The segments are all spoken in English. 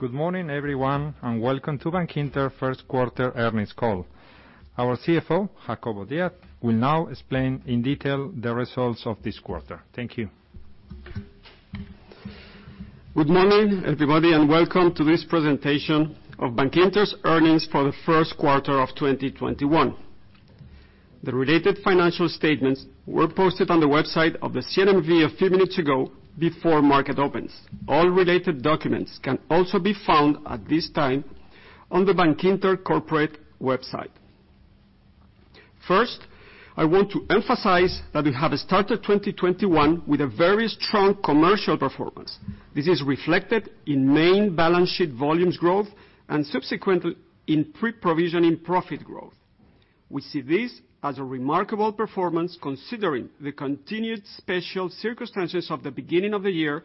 Good morning, everyone. Welcome to Bankinter First Quarter Earnings Call. Our CFO, Jacobo Díaz, will now explain in detail the results of this quarter. Thank you. Good morning, everybody, and welcome to this Presentation of Bankinter's Earnings for the First Quarter of 2021. The related financial statements were posted on the website of the CNMV a few minutes ago, before market opens. All related documents can also be found at this time on the Bankinter corporate website. First, I want to emphasize that we have started 2021 with a very strong commercial performance. This is reflected in main balance sheet volumes growth, and subsequently in pre-provisioning profit growth. We see this as a remarkable performance, considering the continued special circumstances of the beginning of the year,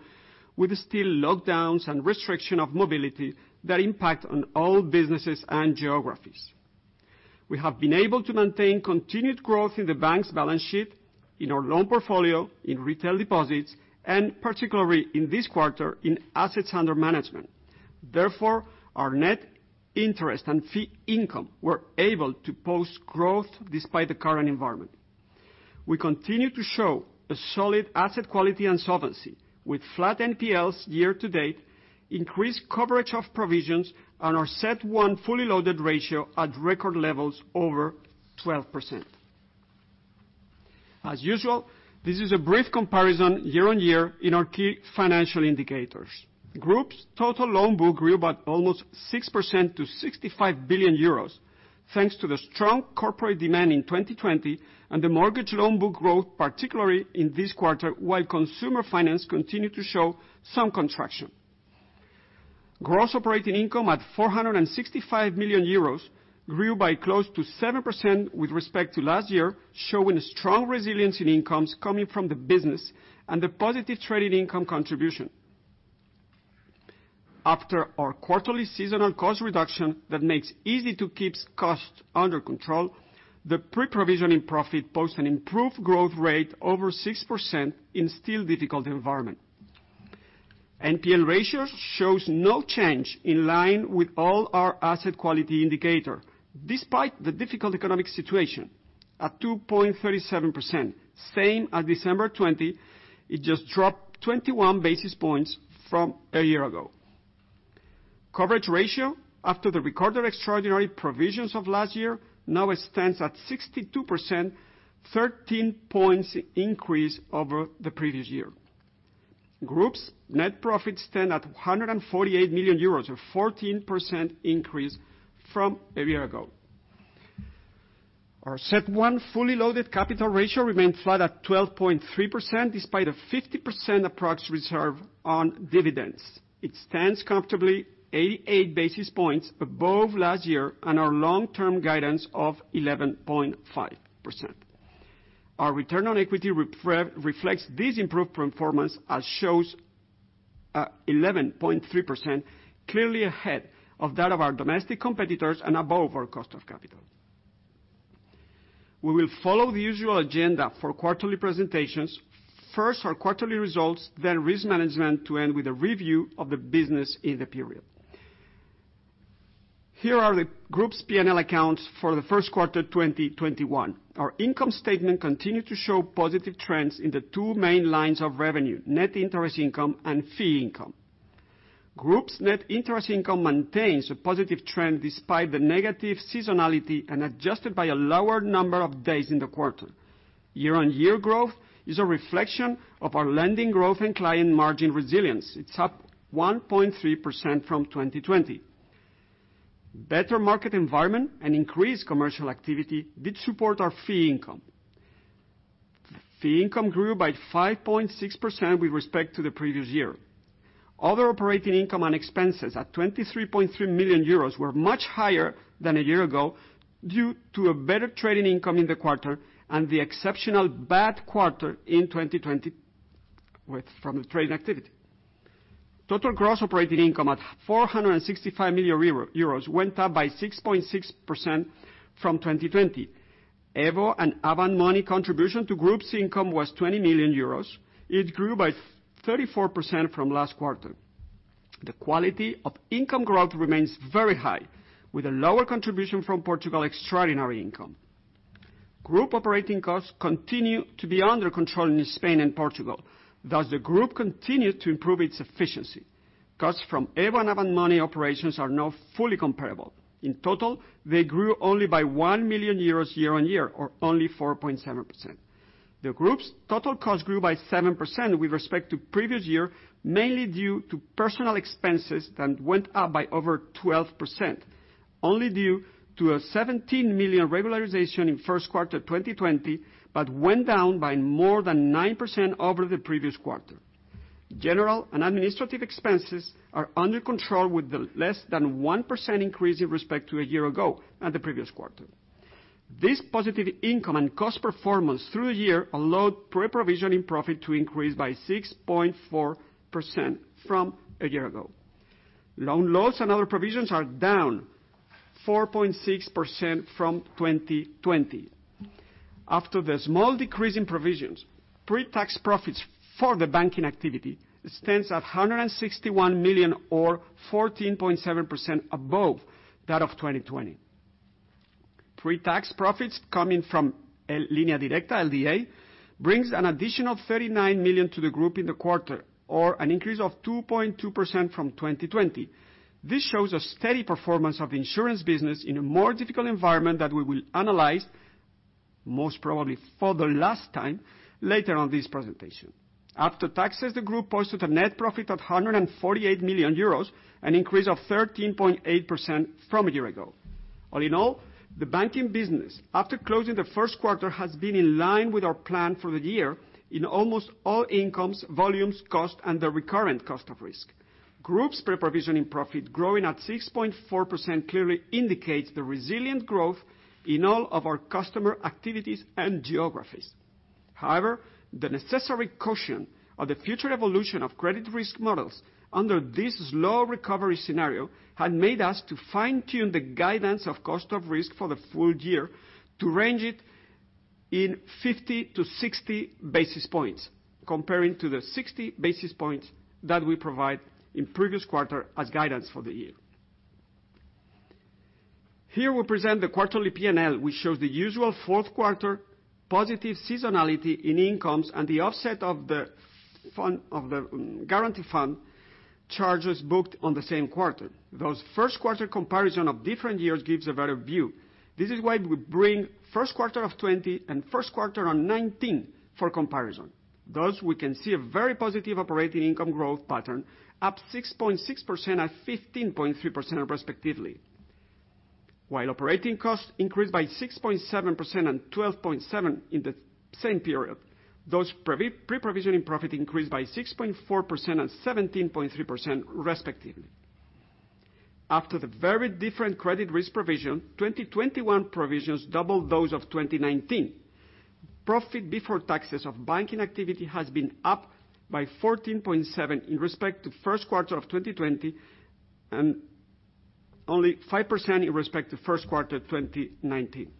with still lockdowns and restriction of mobility that impact on all businesses and geographies. We have been able to maintain continued growth in the bank's balance sheet, in our loan portfolio, in retail deposits, and particularly in this quarter, in assets under management. Therefore, our net interest and fee income were able to post growth despite the current environment. We continue to show a solid asset quality and solvency, with flat NPLs year to date, increased coverage of provisions, and our CET1 fully loaded ratio at record levels over 12%. As usual, this is a brief comparison year on year in our key financial indicators. Group's total loan book grew by almost 6% to 65 billion euros, thanks to the strong corporate demand in 2020 and the mortgage loan book growth, particularly in this quarter, while consumer finance continued to show some contraction. Gross operating income at 465 million euros, grew by close to 7% with respect to last year, showing a strong resilience in incomes coming from the business and the positive trading income contribution. After our quarterly seasonal cost reduction, that makes easy to keeps costs under control, the pre-provision profit posts an improved growth rate over 6% in still difficult environment. NPL ratio shows no change, in line with all our asset quality indicator, despite the difficult economic situation. At 2.37%, same as December 2020, it just dropped 21 basis points from a year ago. Coverage ratio, after the recorded extraordinary provisions of last year, now stands at 62%, 13 points increase over the previous year. Group's net profits stand at 148 million euros, a 14% increase from a year ago. Our CET1 fully loaded capital ratio remained flat at 12.3%, despite a 50% approx reserve on dividends. It stands comfortably 88 basis points above last year on our long-term guidance of 11.5%. Our return on equity reflects this improved performance, shows 11.3%, clearly ahead of that of our domestic competitors and above our cost of capital. We will follow the usual agenda for quarterly presentations. Our quarterly results, risk management, to end with a review of the business in the period. Here are the group's P&L accounts for the first quarter 2021. Our income statement continued to show positive trends in the two main lines of revenue, net interest income and fee income. Group's net interest income maintains a positive trend despite the negative seasonality, adjusted by a lower number of days in the quarter. Year-on-year growth is a reflection of our lending growth and client margin resilience. It's up 1.3% from 2020. Better market environment increased commercial activity did support our fee income. Fee income grew by 5.6% with respect to the previous year. Other operating income and expenses, at 23.3 million euros, were much higher than a year ago due to a better trading income in the quarter and the exceptional bad quarter in 2020 from the trading activity. Total gross operating income at 465 million euros went up by 6.6% from 2020. EVO and Avant Money contribution to group's income was 20 million euros. It grew by 34% from last quarter. The quality of income growth remains very high, with a lower contribution from Portugal extraordinary income. Group operating costs continue to be under control in Spain and Portugal. Thus, the group continued to improve its efficiency. Costs from EVO and Avant Money operations are now fully comparable. In total, they grew only by 1 million euros year on year, or only 4.7%. The group's total cost grew by 7% with respect to previous year, mainly due to personal expenses that went up by over 12%, only due to a 17 million regularization in first quarter 2020, but went down by more than 9% over the previous quarter. General and administrative expenses are under control, with less than a 1% increase in respect to a year ago and the previous quarter. This positive income and cost performance through the year allowed pre-provisioning profit to increase by 6.4% from a year ago. Loan loss and other provisions are down 4.6% from 2020. After the small decrease in provisions, pre-tax profits for the banking activity stands at 161 million, or 14.7% above that of 2020. Pre-tax profits coming from Línea Directa, LDA, brings an additional 39 million to the group in the quarter, or an increase of 2.2% from 2020. This shows a steady performance of insurance business in a more difficult environment that we will analyze, most probably for the last time, later on this presentation. After taxes, the group posted a net profit of 148 million euros, an increase of 13.8% from a year ago. All in all, the banking business, after closing the first quarter, has been in line with our plan for the year in almost all incomes, volumes, cost, and the recurrent cost of risk. Group's pre-provisioning profit growing at 6.4% clearly indicates the resilient growth in all of our customer activities and geographies. However, the necessary caution of the future evolution of credit risk models under this slow recovery scenario had made us to fine-tune the guidance of cost of risk for the full year to range it in 50-60 basis points, comparing to the 60 basis points that we provide in previous quarter as guidance for the year. Here, we present the quarterly P&L, which shows the usual fourth quarter positive seasonality in incomes and the offset of the guarantee fund charges booked on the same quarter. Those first quarter comparison of different years gives a better view. This is why we bring first quarter of 2020 and first quarter of 2019 for comparison. We can see a very positive operating income growth pattern, up 6.6% and 15.3% respectively. While operating costs increased by 6.7% and 12.7% in the same period, those pre-provisioning profit increased by 6.4% and 17.3% respectively. After the very different credit risk provision, 2021 provisions double those of 2019. Profit before taxes of banking activity has been up by 14.7% in respect to first quarter of 2020, and only 5% in respect to first quarter 2019.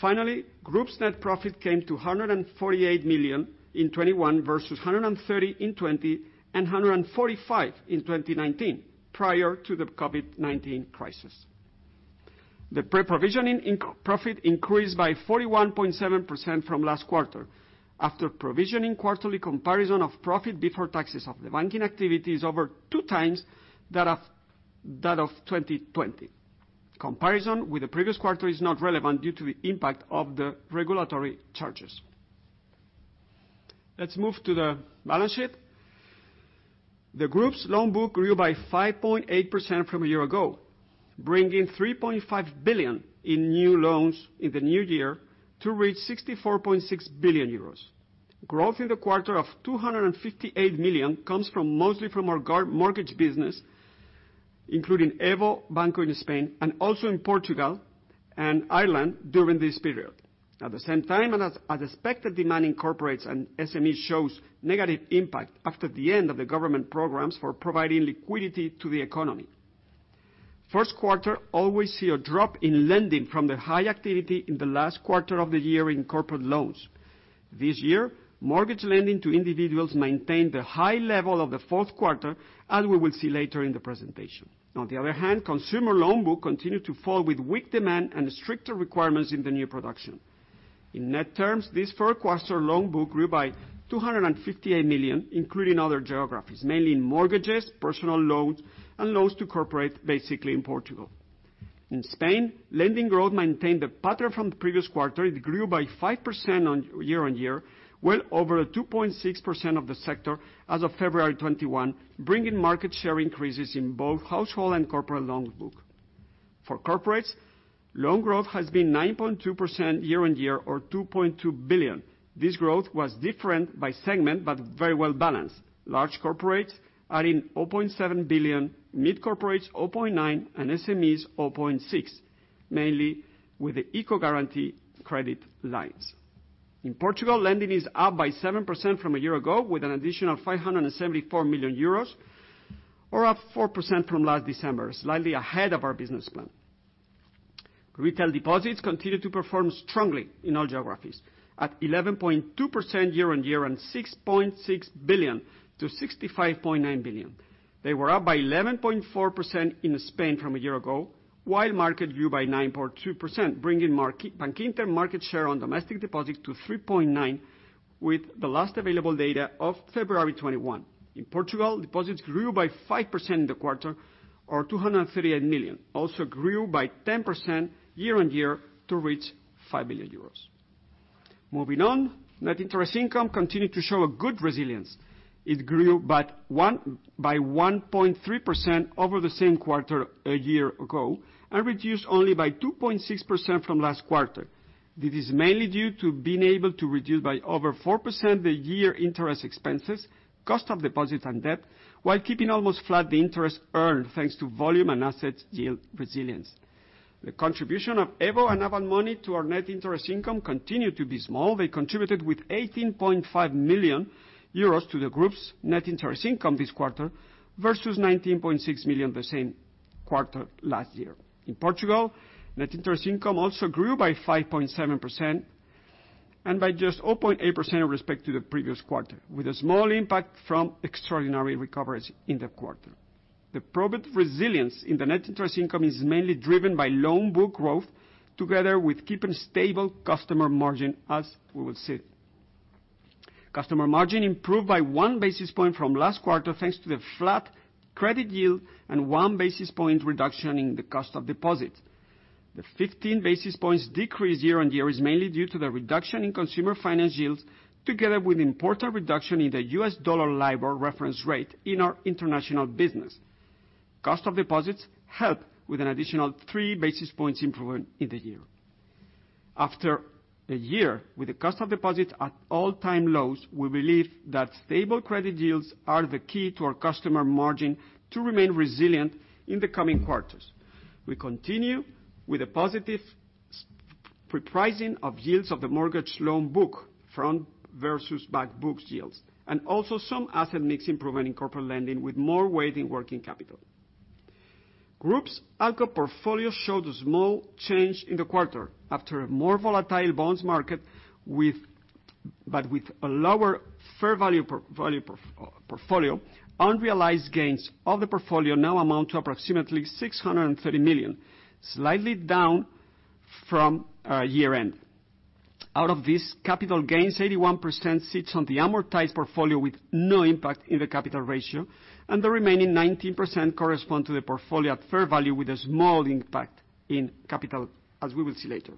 Finally, group's net profit came to 148 million in 2021 versus 130 million in 2020 and 145 million in 2019, prior to the COVID-19 crisis. The pre-provisioning profit increased by 41.7% from last quarter. After provisioning, quarterly comparison of profit before taxes of the banking activity is over 2x that of 2020. Comparison with the previous quarter is not relevant due to the impact of the regulatory charges. Let's move to the balance sheet. The group's loan book grew by 5.8% from a year ago, bringing 3.5 billion in new loans in the new year to reach 64.6 billion euros. Growth in the quarter of 258 million comes mostly from our mortgage business, including EVO Banco in Spain and also in Portugal and Ireland during this period. At the same time, as expected, demand in corporates and SMEs shows negative impact after the end of the government programs for providing liquidity to the economy. First quarter always see a drop in lending from the high activity in the last quarter of the year in corporate loans. This year, mortgage lending to individuals maintained the high level of the fourth quarter, as we will see later in the presentation. On the other hand, consumer loan book continued to fall with weak demand and stricter requirements in the new production. In net terms, this first quarter loan book grew by 258 million, including other geographies, mainly in mortgages, personal loans, and loans to corporate, basically in Portugal. In Spain, lending growth maintained the pattern from the previous quarter. It grew by 5% year-on-year, well over a 2.6% of the sector as of February 2021, bringing market share increases in both household and corporate loan book. For corporates, loan growth has been 9.2% year-on-year or 2.2 billion. This growth was different by segment, but very well-balanced. Large corporates are in 0.7 billion, mid corporates 0.9 billion, and SMEs 0.6 billion, mainly with the ICO guarantee credit lines. In Portugal, lending is up by 7% from a year ago with an additional 574 million euros or up 4% from last December, slightly ahead of our business plan. Retail deposits continued to perform strongly in all geographies at 11.2% year-on-year and 6.6 billion-65.9 billion. They were up by 11.4% in Spain from a year ago, while market grew by 9.2%, bringing Bankinter market share on domestic deposits to 3.9% with the last available data of February 2021. In Portugal, deposits grew by 5% in the quarter or 238 million. Also grew by 10% year-on-year to reach 5 billion euros. Moving on. Net interest income continued to show a good resilience. It grew by 1.3% over the same quarter a year ago and reduced only by 2.6% from last quarter. This is mainly due to being able to reduce by over 4% the year interest expenses, cost of deposits and debt, while keeping almost flat the interest earned, thanks to volume and asset yield resilience. The contribution of EVO and Avant Money to our net interest income continued to be small. They contributed with 18.5 million euros to the group's net interest income this quarter versus 19.6 million the same quarter last year. In Portugal, net interest income also grew by 5.7%. By just 0.8% with respect to the previous quarter, with a small impact from extraordinary recoveries in the quarter. The profit resilience in the net interest income is mainly driven by loan book growth, together with keeping stable customer margin, as we will see. Customer margin improved by 1 basis point from last quarter, thanks to the flat credit yield and 1 basis point reduction in the cost of deposits. The 15 basis points decrease year-on-year is mainly due to the reduction in consumer finance yields, together with important reduction in the U.S. dollar LIBOR reference rate in our international business. Cost of deposits helped with an additional 3 basis points improvement in the year. After a year with the cost of deposits at all-time lows, we believe that stable credit yields are the key to our customer margin to remain resilient in the coming quarters. We continue with a positive repricing of yields of the mortgage loan book from versus back books yields, and also some asset mix improvement in corporate lending, with more weighting working capital. Group's ALCO portfolio showed a small change in the quarter after a more volatile bonds market, but with a lower fair value portfolio. Unrealized gains of the portfolio now amount to approximately 630 million, slightly down from our year-end. Out of these capital gains, 81% sits on the amortized portfolio with no impact in the capital ratio. The remaining 19% correspond to the portfolio at fair value with a small impact in capital, as we will see later.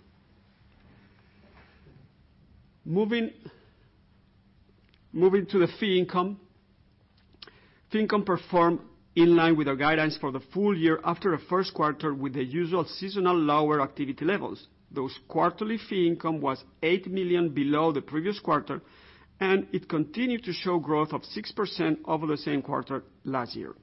Moving to the fee income. Fee income performed in line with our guidance for the full year after a first quarter with the usual seasonal lower activity levels. Total quarterly fee income was 8 million below the previous quarter. It continued to show growth of 6% over the same quarter last year.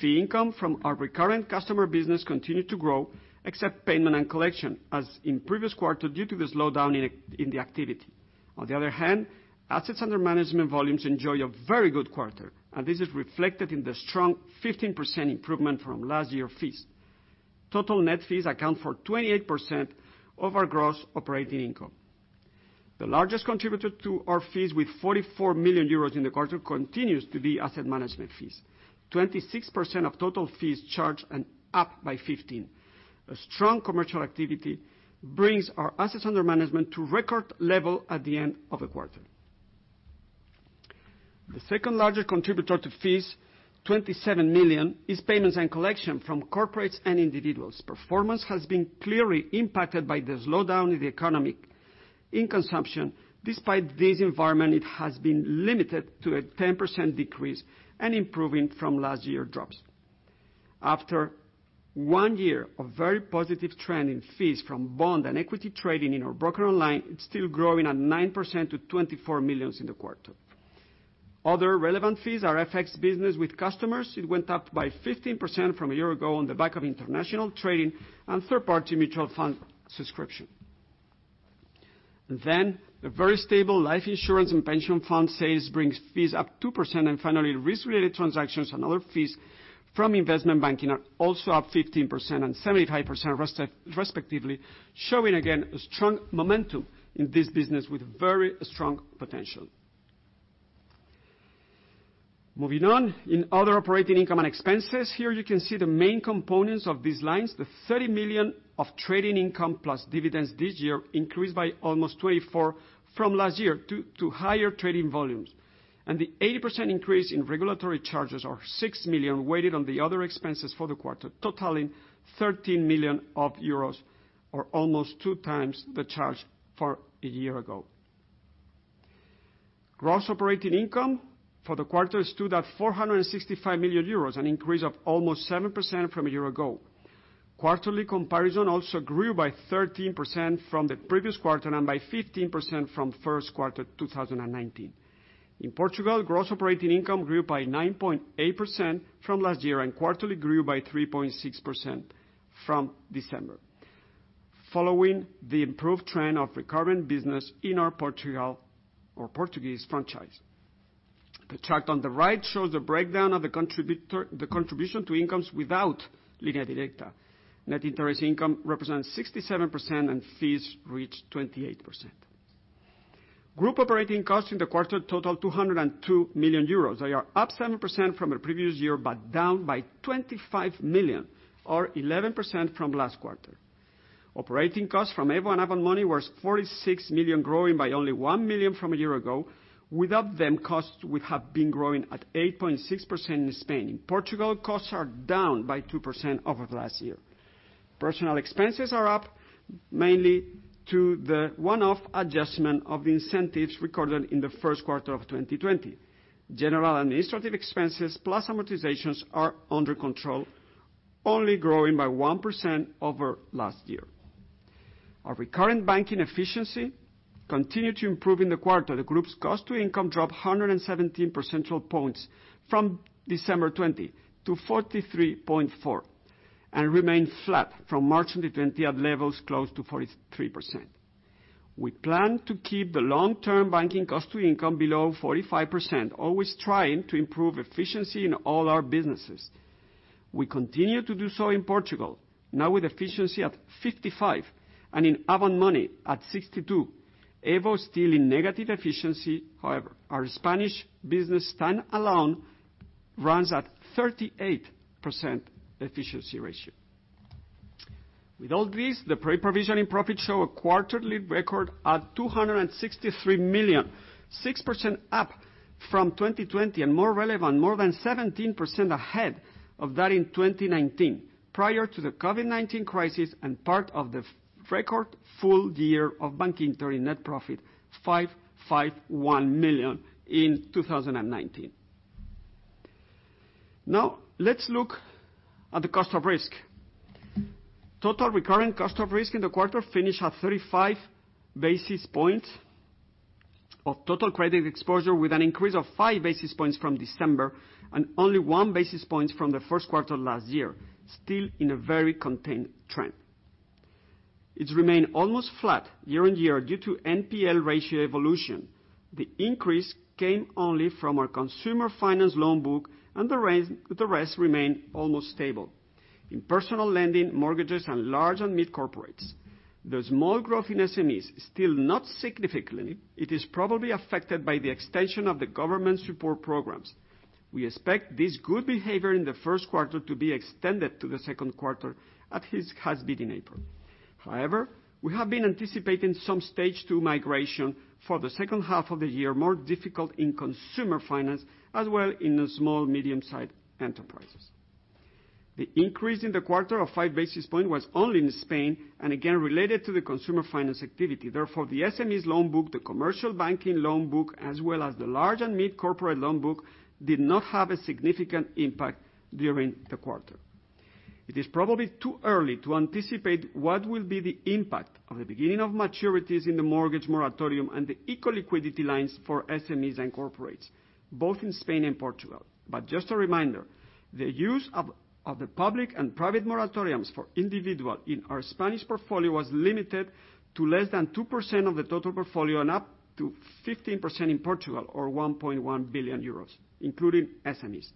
Fee income from our recurring customer business continued to grow, except payment and collection, as in previous quarter, due to the slowdown in the activity. On the other hand, assets under management volumes enjoy a very good quarter, and this is reflected in the strong 15% improvement from last year fees. Total net fees account for 28% of our gross operating income. The largest contributor to our fees, with 44 million euros in the quarter, continues to be asset management fees. 26% of total fees charged and up by 15%. A strong commercial activity brings our assets under management to record level at the end of the quarter. The second largest contributor to fees, 27 million, is payments and collection from corporates and individuals. Performance has been clearly impacted by the slowdown in the economy in consumption. Despite this environment, it has been limited to a 10% decrease and improving from last year drops. After one year of very positive trend in fees from bond and equity trading in our broker line, it's still growing at 9% to 24 million in the quarter. Other relevant fees are FX business with customers. It went up by 15% from a year ago on the back of international trading and third-party mutual fund subscription. The very stable life insurance and pension fund sales brings fees up 2%. Finally, risk-related transactions and other fees from investment banking are also up 15% and 75%, respectively, showing again a strong momentum in this business with very strong potential. Moving on. In other operating income and expenses, here you can see the main components of these lines. The 30 million of trading income plus dividends this year increased by almost 24% from last year due to higher trading volumes. The 80% increase in regulatory charges or 6 million weighted on the other expenses for the quarter, totaling 13 million euros, or almost 2x the charge for a year ago. Gross operating income for the quarter stood at 465 million euros, an increase of almost 7% from a year ago. Quarterly comparison also grew by 13% from the previous quarter and by 15% from first quarter 2019. In Portugal, gross operating income grew by 9.8% from last year and quarterly grew by 3.6% from December. Following the improved trend of recurring business in our Portugal or Portuguese franchise. The chart on the right shows the breakdown of the contribution to incomes without Línea Directa. Net interest income represents 67% and fees reach 28%. Group operating costs in the quarter total 202 million euros. They are up 7% from the previous year, but down by 25 million or 11% from last quarter. Operating costs from EVO and Avant Money was 46 million, growing by only 1 million from a year ago. Without them, costs would have been growing at 8.6% in Spain. In Portugal, costs are down by 2% over last year. Personnel expenses are up, mainly to the one-off adjustment of the incentives recorded in the first quarter of 2020. General administrative expenses plus amortizations are under control, only growing by 1% over last year. Our recurrent banking efficiency continued to improve in the quarter. The group's cost to income dropped 117 percentile points from December 2020 to 43.4%, and remained flat from March 2020 at levels close to 43%. We plan to keep the long-term banking cost to income below 45%, always trying to improve efficiency in all our businesses. We continue to do so in Portugal, now with efficiency at 55%, and in Avant Money at 62%. EVO still in negative efficiency, however. Our Spanish business stand alone runs at 38% efficiency ratio. With all this, the pre-provisioning profit show a quarterly record at 263 million, 6% up from 2020, and more relevant, more than 17% ahead of that in 2019, prior to the COVID-19 crisis and part of the record full year of Bankinter in net profit, 551 million in 2019. Let's look at the cost of risk. Total recurring cost of risk in the quarter finished at 35 basis points of total credit exposure, with an increase of 5 basis points from December and only 1 basis point from the first quarter last year, still in a very contained trend. It's remained almost flat year-on-year due to NPL ratio evolution. The increase came only from our consumer finance loan book and the rest remained almost stable in personal lending, mortgages, and large and mid corporates. The small growth in SMEs, still not significantly, it is probably affected by the extension of the government support programs. We expect this good behavior in the first quarter to be extended to the second quarter as it has been in April. We have been anticipating some stage 2 migration for the second half of the year, more difficult in consumer finance as well in the small medium-sized enterprises. The increase in the quarter of 5 basis point was only in Spain, and again, related to the consumer finance activity. The SMEs loan book, the commercial banking loan book, as well as the large and mid corporate loan book, did not have a significant impact during the quarter. It is probably too early to anticipate what will be the impact of the beginning of maturities in the mortgage moratorium and the ICO liquidity lines for SMEs and corporates, both in Spain and Portugal. Just a reminder, the use of the public and private moratoriums for individual in our Spanish portfolio was limited to less than 2% of the total portfolio and up to 15% in Portugal or 1.1 billion euros, including SMEs.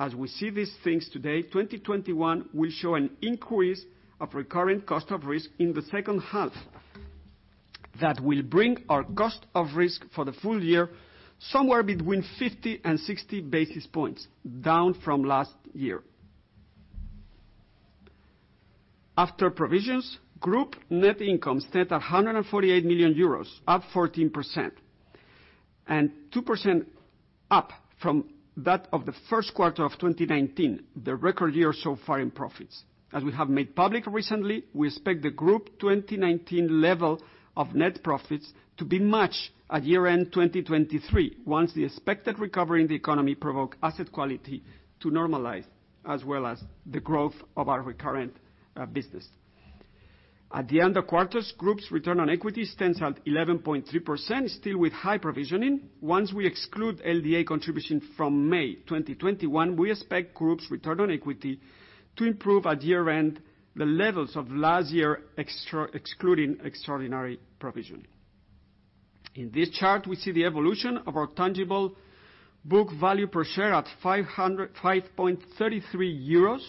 As we see these things today, 2021 will show an increase of recurring cost of risk in the second half that will bring our cost of risk for the full year somewhere between 50 and 60 basis points, down from last year. After provisions, group net income stood at 148 million euros, up 14%, and 2% up from that of the first quarter of 2019, the record year so far in profits. As we have made public recently, we expect the group 2019 level of net profits to be matched at year-end 2023, once the expected recovery in the economy provoke asset quality to normalize, as well as the growth of our recurrent business. At the end of quarters, group's return on equity stands at 11.3%, still with high provisioning. Once we exclude LDA contribution from May 2021, we expect group's return on equity to improve at year-end the levels of last year, excluding extraordinary provision. In this chart, we see the evolution of our tangible book value per share at 505.33 euros,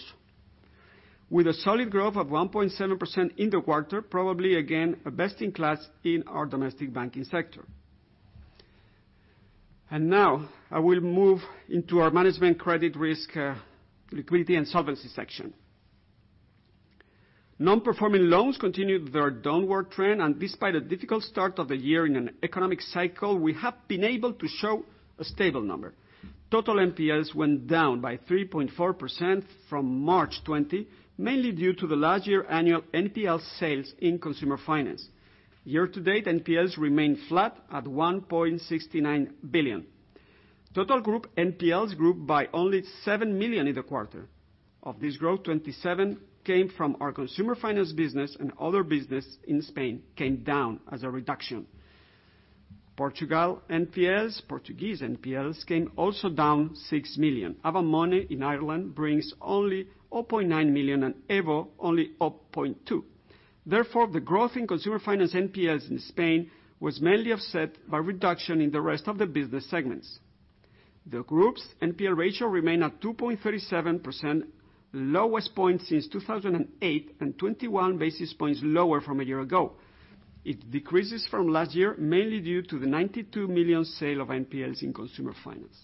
with a solid growth of 1.7% in the quarter, probably again, a best-in-class in our domestic banking sector. Now, I will move into our management credit risk, liquidity, and solvency section. Non-performing loans continued their downward trend, despite a difficult start of the year in an economic cycle, we have been able to show a stable number. Total NPLs went down by 3.4% from March 20, mainly due to the last year annual NPL sales in consumer finance. Year to date, NPLs remain flat at 1.69 billion. Total group NPLs grew by only 7 million in the quarter. Of this growth, 27 million came from our consumer finance business and other business in Spain came down as a reduction. Portuguese NPLs came also down 6 million. Avant Money in Ireland brings only 0.9 million and EVO only up 0.2 million. Therefore, the growth in consumer finance NPLs in Spain was mainly offset by reduction in the rest of the business segments. The group's NPL ratio remained at 2.37%, lowest point since 2008, and 21 basis points lower from a year ago. It decreases from last year, mainly due to the 92 million sale of NPLs in consumer finance.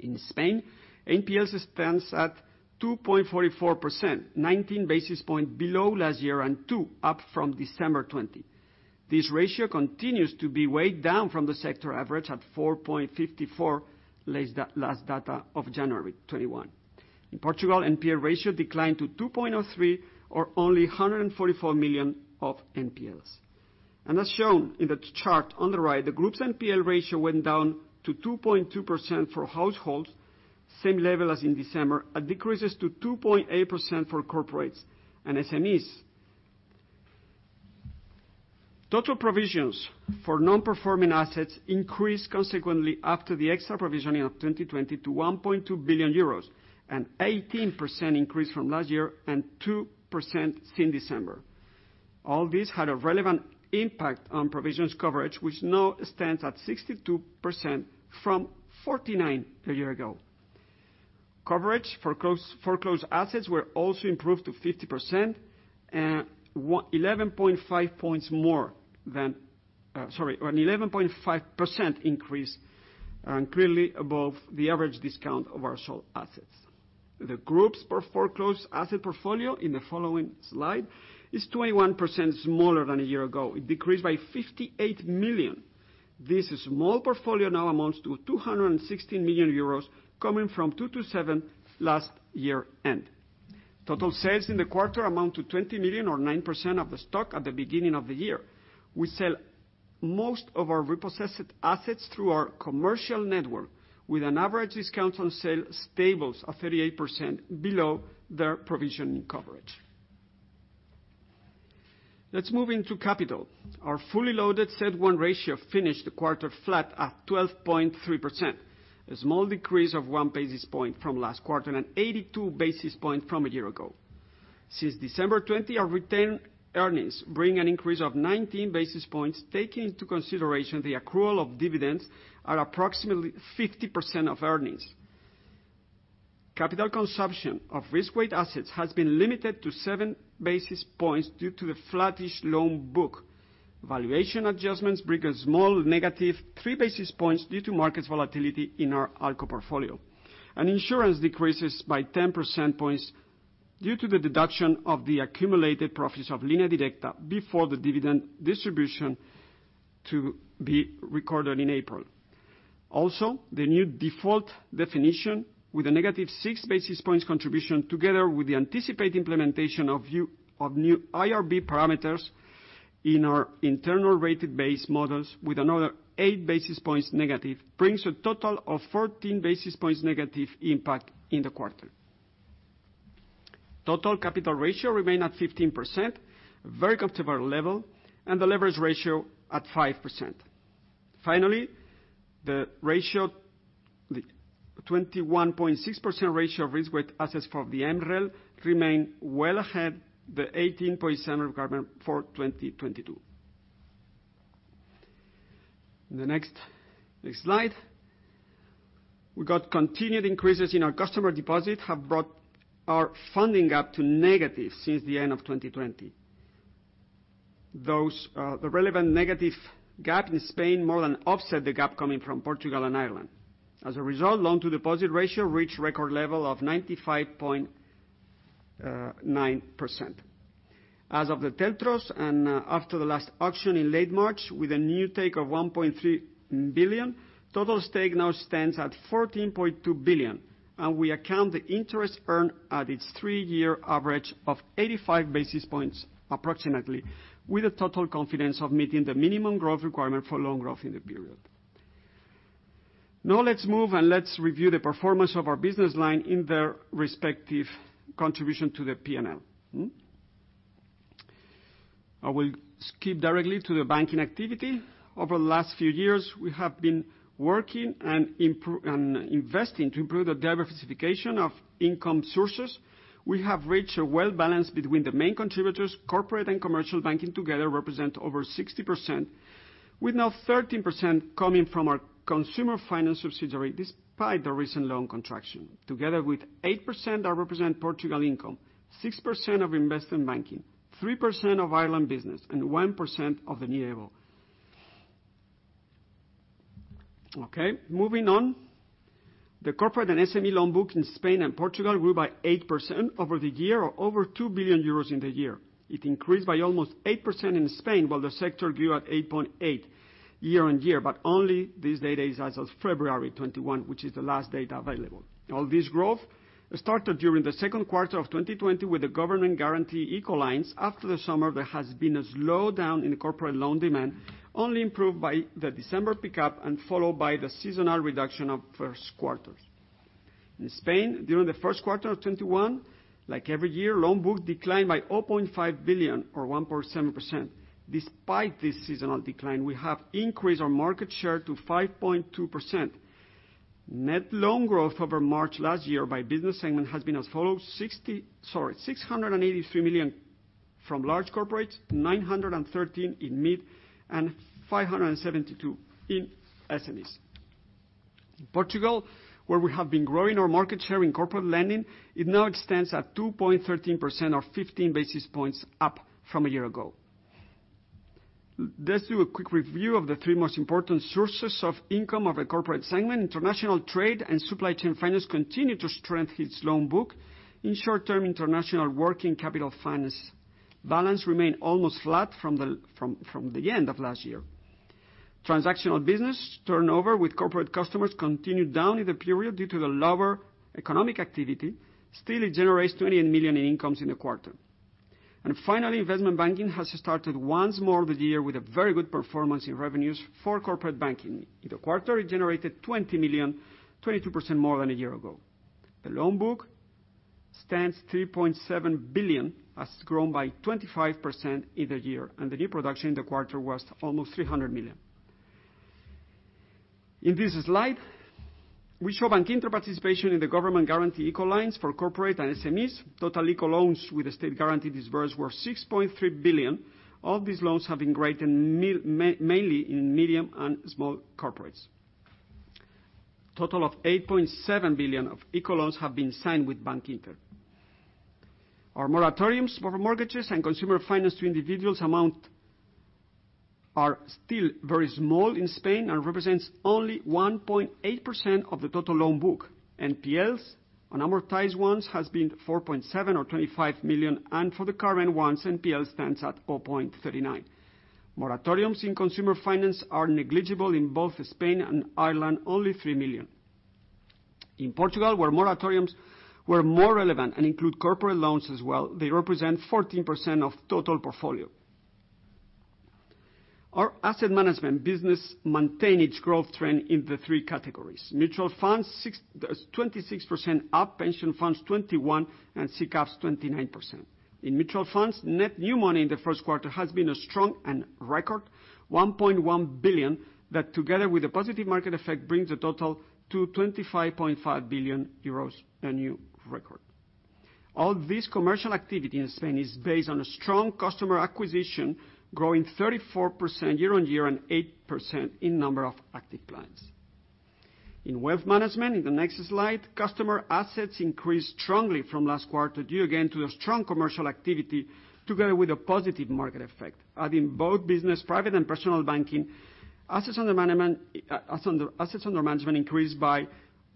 In Spain, NPLs stands at 2.44%, 19 basis point below last year and two up from December 2020. This ratio continues to be weighed down from the sector average at 4.54%, last data of January 2021. In Portugal, NPL ratio declined to 2.03% or only 144 million of NPLs. As shown in the chart on the right, the group's NPL ratio went down to 2.2% for households, same level as in December, and decreases to 2.8% for corporates and SMEs. Total provisions for non-performing assets increased consequently after the extra provisioning of 2020 to 1.2 billion euros, an 18% increase from last year and 2% since December. All this had a relevant impact on provisions coverage, which now stands at 62% from 49% a year ago. Coverage for closed assets were also improved to 50%, an 11.5% increase, clearly above the average discount of our sold assets. The groups for foreclosed asset portfolio, in the following slide, is 21% smaller than a year ago. It decreased by 58 million. This small portfolio now amounts to 216 million euros, coming from 227 million last year-end. Total sales in the quarter amount to 20 million or 9% of the stock at the beginning of the year. We sell most of our repossessed assets through our commercial network, with an average discount on sale stables of 38% below their provisioning coverage. Let's move into capital. Our fully loaded CET1 ratio finished the quarter flat at 12.3%, a small decrease of 1 basis point from last quarter and 82 basis points from a year ago. Since December 20, our retained earnings bring an increase of 19 basis points, taking into consideration the accrual of dividends at approximately 50% of earnings. Capital consumption of risk-weighted assets has been limited to 7 basis points due to the flattish loan book. Valuation adjustments bring a small -3 basis points due to market volatility in our ALCO portfolio. Insurance decreases by 10 percentage points due to the deduction of the accumulated profits of Línea Directa before the dividend distribution to be recorded in April. Also, the new default definition with a -6 basis points contribution, together with the anticipated implementation of new IRB parameters in our internal rated base models with another -8 basis points, brings a total of 14 basis points negative impact in the quarter. Total capital ratio remained at 15%, very comfortable level, and the leverage ratio at 5%. Finally, the 21.6% ratio of risk-weighted assets for the MREL remain well ahead the 18% requirement for 2022. In the next slide. We got continued increases in our customer deposit have brought our funding gap to negative since the end of 2020. The relevant negative gap in Spain more than offset the gap coming from Portugal and Ireland. As a result, loan to deposit ratio reached record level of 95.9%. As of the TLTROs, and after the last auction in late March, with a new take of 1.3 billion, total stake now stands at 14.2 billion, and we account the interest earned at its three-year average of 85 basis points approximately, with the total confidence of meeting the minimum growth requirement for loan growth in the period. Now let's move, and let's review the performance of our business line in their respective contribution to the P&L. I will skip directly to the banking activity. Over the last few years, we have been working and investing to improve the diversification of income sources. We have reached a well-balanced between the main contributors, Corporate and Commercial Banking together represent over 60%, with now 13% coming from our Consumer Finance subsidiary, despite the recent loan contraction, together with 8% that represent Portugal income, 6% of investment banking, 3% of Ireland business, and 1% of the NewCo. Moving on. The Corporate and SME loan book in Spain and Portugal grew by 8% over the year or over 2 billion euros in the year. It increased by almost 8% in Spain, while the sector grew at 8.8% year-on-year, only this data is as of February 21, which is the last data available. All this growth started during the second quarter of 2020 with the government guarantee ICO lines. After the summer, there has been a slowdown in corporate loan demand, only improved by the December pickup and followed by the seasonal reduction of first quarters. In Spain, during the first quarter of 2021, like every year, loan book declined by 0.5 billion or 1.7%. Despite this seasonal decline, we have increased our market share to 5.2%. Net loan growth over March last year by business segment has been as follows, 683 million from large corporates, 913 million in mid, and 572 million in SMEs. Portugal, where we have been growing our market share in corporate lending, it now extends at 2.13% or 15 basis points up from a year ago. Let's do a quick review of the three most important sources of income of the corporate segment. International trade and supply chain finance continue to strengthen its loan book. In short term, international working capital finance balance remained almost flat from the end of last year. Transactional business turnover with corporate customers continued down in the period due to the lower economic activity. Still, it generates 28 million in incomes in the quarter. Finally, investment banking has started once more this year with a very good performance in revenues for corporate banking. In the quarter, it generated 20 million, 22% more than a year ago. The loan book stands 3.7 billion, has grown by 25% in the year, and the new production in the quarter was almost 300 million. In this slide, we show Bankinter participation in the government guarantee ICO lines for corporate and SMEs. Total ICO loans with the state guarantee disbursed were 6.3 billion. All these loans have been granted mainly in medium and small corporates. Total of 8.7 billion of ICO loans have been signed with Bankinter. Our moratoriums for mortgages and consumer finance to individuals amount are still very small in Spain and represents only 1.8% of the total loan book. NPLs on amortized ones has been 4.7% or 25 million, and for the current ones, NPL stands at 0.39%. Moratoriums in consumer finance are negligible in both Spain and Ireland, only 3 million. In Portugal, where moratoriums were more relevant and include corporate loans as well, they represent 14% of total portfolio. Our asset management business maintain its growth trend in the three categories. Mutual funds, 26% up, pension funds 21%, and SICAVs 29%. In mutual funds, net new money in the first quarter has been a strong and record 1.1 billion, that together with the positive market effect, brings the total to 25.5 billion euros, a new record. All this commercial activity in Spain is based on a strong customer acquisition, growing 34% year-on-year and 8% in number of active clients. In wealth management, in the next slide, customer assets increased strongly from last quarter due again to the strong commercial activity together with a positive market effect. Adding both business, private and personal banking, assets under management increased by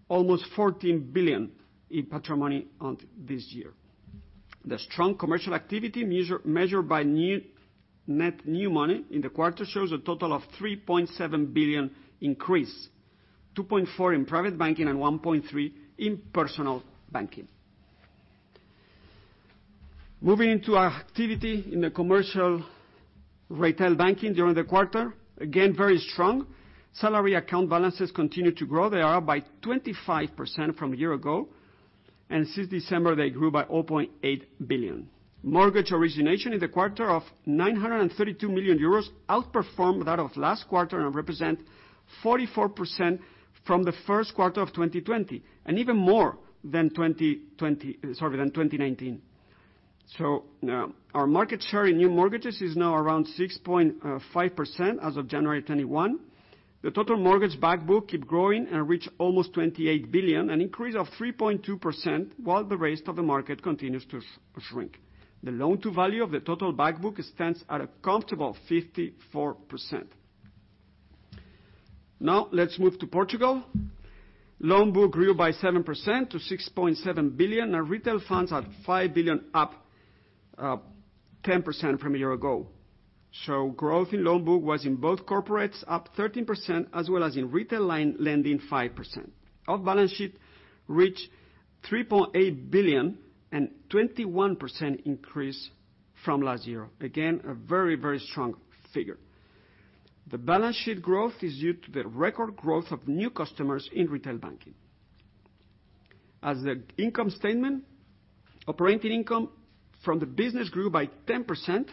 almost 14 billion in patrimony this year. The strong commercial activity, measured by net new money in the quarter, shows a total of 3.7 billion increase, 2.4 in private banking and 1.3 in personal banking. Moving into our activity in the commercial retail banking during the quarter. Again, very strong. Salary account balances continue to grow. They are up by 25% from a year ago, and since December they grew by 0.8 billion. Mortgage origination in the quarter of 932 million euros outperformed that of last quarter and represent 44% from the first quarter of 2020, and even more than 2019. Our market share in new mortgages is now around 6.5% as of January 21. The total mortgage back book keep growing and reach almost 28 billion, an increase of 3.2%, while the rest of the market continues to shrink. The loan-to-value of the total back book stands at a comfortable 54%. Now let's move to Portugal. Loan book grew by 7% to 6.7 billion, and retail funds at 5 billion, up 10% from a year ago. Growth in loan book was in both corporates up 13%, as well as in retail lending 5%. Off-balance sheet reached 3.8 billion, 21% increase from last year. Again, a very strong figure. The balance sheet growth is due to the record growth of new customers in retail banking. As the income statement, operating income from the business grew by 10%,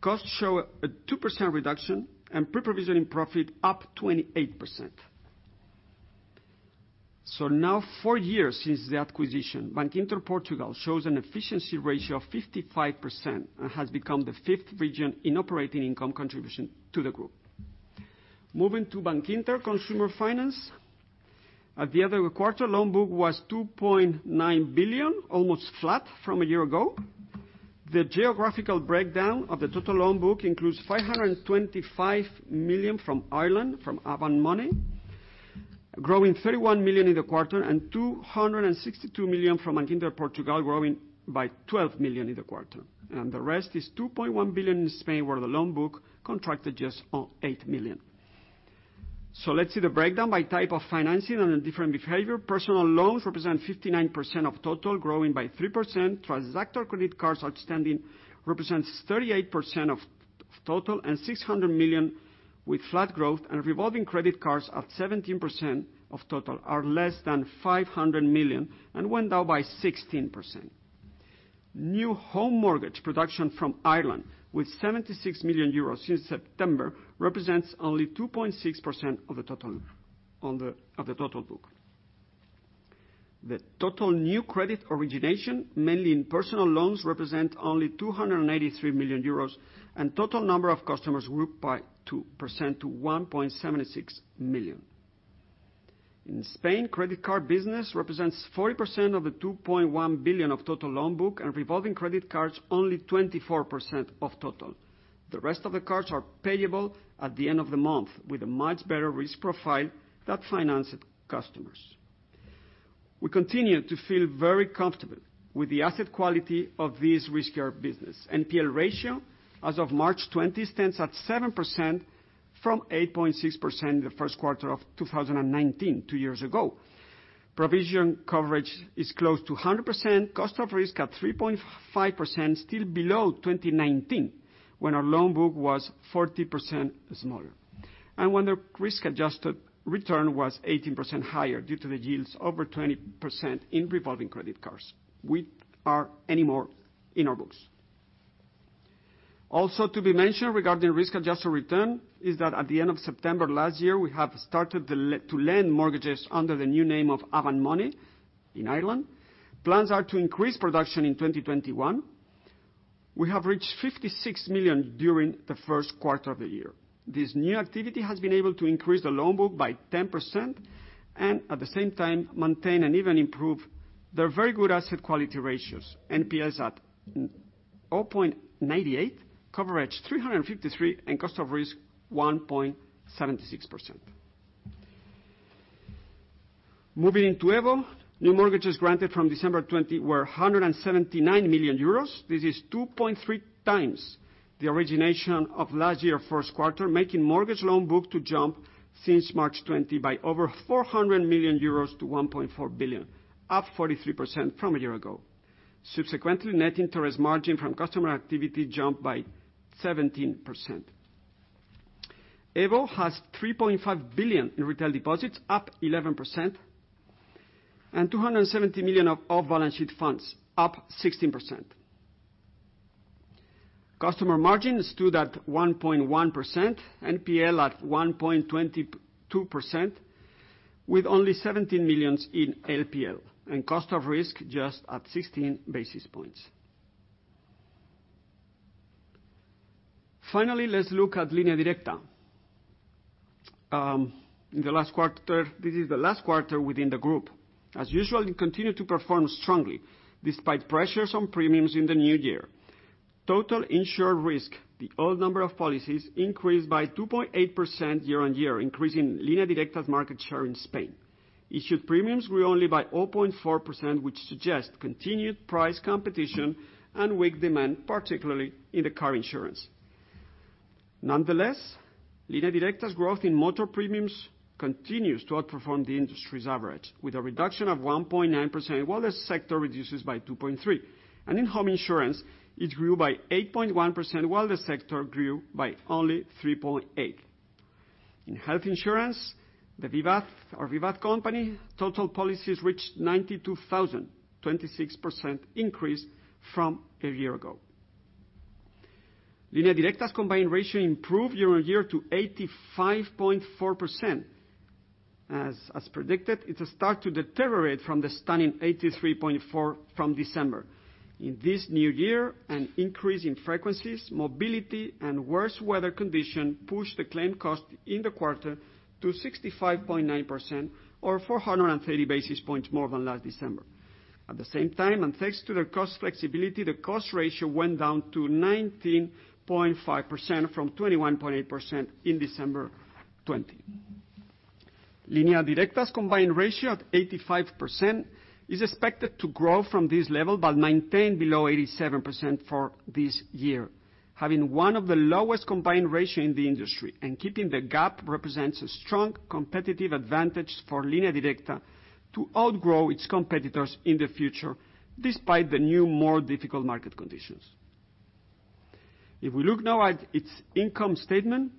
costs show a 2% reduction, and pre-provisioning profit up 28%. Now, four years since the acquisition, Bankinter Portugal shows an efficiency ratio of 55% and has become the fifth region in operating income contribution to the group. Moving to Bankinter Consumer Finance. At the end of the quarter, loan book was 2.9 billion, almost flat from a year ago. The geographical breakdown of the total loan book includes 525 million from Ireland, from Avant Money, growing 31 million in the quarter, and 262 million from Bankinter Portugal, growing by 12 million in the quarter. The rest is 2.1 billion in Spain, where the loan book contracted just on 8 million. Let's see the breakdown by type of financing and different behavior. Personal loans represent 59% of total, growing by 3%. Transactor credit cards outstanding represents 38% of total and 600 million with flat growth, and revolving credit cards at 17% of total are less than 500 million and went down by 16%. New home mortgage production from Ireland, with 76 million euros since September, represents only 2.6% of the total book. The total new credit origination, mainly in personal loans, represent only 283 million euros, and total number of customers grew up by 2% to 1.76 million. In Spain, credit card business represents 40% of the 2.1 billion of total loan book, and revolving credit cards only 24% of total. The rest of the cards are payable at the end of the month with a much better risk profile that financed customers. We continue to feel very comfortable with the asset quality of this riskier business. NPL ratio as of March 20 stands at 7% from 8.6% in the first quarter of 2019, two years ago. Provision coverage is close to 100%. Cost of risk at 3.5%, still below 2019, when our loan book was 40% smaller, and when the risk-adjusted return was 18% higher due to the yields over 20% in revolving credit cards, which are in our books. Also to be mentioned regarding risk-adjusted return is that at the end of September last year, we have started to lend mortgages under the new name of Avant Money in Ireland. Plans are to increase production in 2021. We have reached 56 million during the first quarter of the year. This new activity has been able to increase the loan book by 10%, and at the same time, maintain and even improve their very good asset quality ratios. NPLs at 0.98%, coverage 353%, and cost of risk 1.76%. Moving to EVO, new mortgages granted from December 2020 were 179 million euros. This is 2.3x the origination of last year's first quarter, making mortgage loan book to jump since March 2020 by over 400 million euros to 1.4 billion, up 43% from a year ago. Subsequently, net interest margin from customer activity jumped by 17%. EVO has 3.5 billion in retail deposits, up 11%, and 270 million of off-balance sheet funds, up 16%. Customer margins stood at 1.1%, NPL at 1.22%, with only 17 million in NPLs, and cost of risk just at 16 basis points. Finally, let's look at Línea Directa. This is the last quarter within the group. As usual, it continued to perform strongly despite pressures on premiums in the new year. Total insured risk, the old number of policies, increased by 2.8% year-on-year, increasing Línea Directa's market share in Spain. Issued premiums grew only by 0.4%, which suggests continued price competition and weak demand, particularly in the car insurance. Nonetheless, Línea Directa's growth in motor premiums continues to outperform the industry's average with a reduction of 1.9% while the sector reduces by 2.3%. In home insurance, it grew by 8.1% while the sector grew by only 3.8%. In health insurance, our Vivaz company total policies reached 92,000, 26% increase from a year ago. Línea Directa's combined ratio improved year-on-year to 85.4%. As predicted, it start to deteriorate from the stunning 83.4% from December. In this new year, an increase in frequencies, mobility, and worse weather condition pushed the claim cost in the quarter to 65.9%, or 430 basis points more than last December. At the same time, and thanks to the cost flexibility, the cost ratio went down to 19.5% from 21.8% in December 2020. Línea Directa's combined ratio of 85% is expected to grow from this level but maintain below 87% for this year. Having one of the lowest combined ratio in the industry and keeping the gap represents a strong competitive advantage for Línea Directa to outgrow its competitors in the future, despite the new, more difficult market conditions. If we look now at its income statement,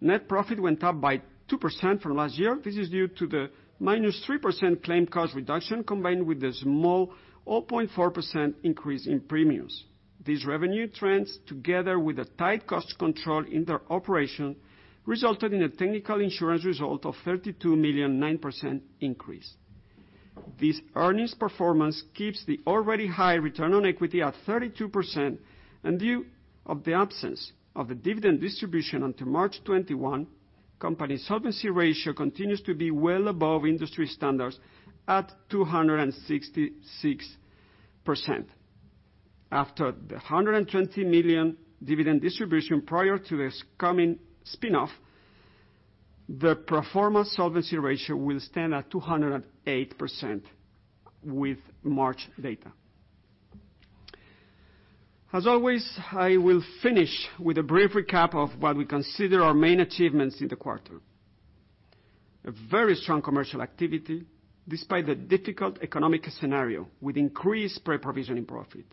net profit went up by 2% from last year. This is due to the -3% claim cost reduction, combined with the small 0.4% increase in premiums. These revenue trends, together with a tight cost control in their operation, resulted in a technical insurance result of 32 million, 9% increase. This earnings performance keeps the already high return on equity at 32%. Due to the absence of the dividend distribution until March 2021, company solvency ratio continues to be well above industry standards at 266%. After the 120 million dividend distribution prior to this coming spin-off, the pro forma solvency ratio will stand at 208% with March data. As always, I will finish with a brief recap of what we consider our main achievements in the quarter. A very strong commercial activity despite the difficult economic scenario with increased pre-provisioning profit.